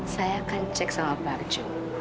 saya akan cek sama pak arjo